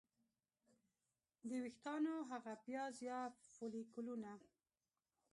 د ویښتانو هغه پیاز یا فولیکولونه